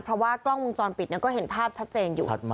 เพราะว่ากล้องวงจรปิดก็เห็นภาพชัดเจนอยู่